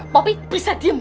popi bisa diem gak